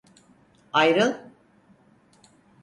Ayrıl!